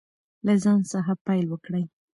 له ځان څخه پیل وکړئ.